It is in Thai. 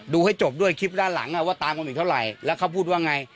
ให้จบด้วยคลิปด้านหลังว่าตามกันอีกเท่าไหร่แล้วเขาพูดว่าไง